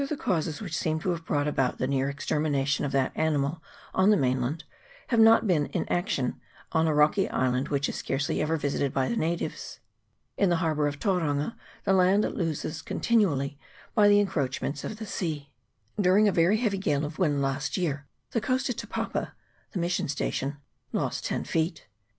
the causes which seem to have brought about the near extermination of that animal on the mainland have not been in action on a rocky island which is scarcely ever visited by the natives. In the harbour of Tauranga the land loses con tinually by the encroachments of the sea. During a very heavy gale of wind last year the coast at Te Papa (the mission station) lost ten feet.